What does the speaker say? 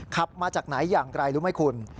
ขับมาจากไหนอย่างไรรู้ไหมคุณ